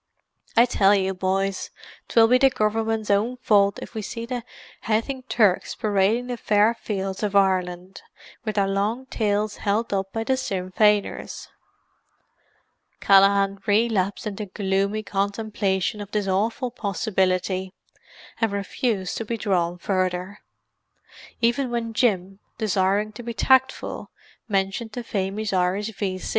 I tell you, boys, 'twill be the Gov'mint's own fault if we see the haythin Turks parading the fair fields of Ireland, with their long tails held up by the Sinn Feiners!" Callaghan relapsed into gloomy contemplation of this awful possibility, and refused to be drawn further. Even when Jim, desiring to be tactful, mentioned a famous Irish V.